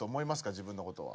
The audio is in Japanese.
自分のことは。